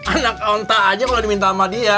anak onta aja kalau diminta sama dia